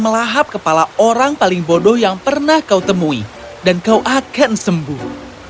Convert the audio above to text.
melahap kepala orang paling bodoh yang pernah kau temui dan kau akan sembuh